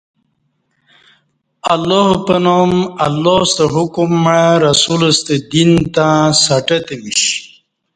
اللہ پنام اللہ ستہ حکم مع رسولہ ستہ دین تہ سہٹہ تمیش ۔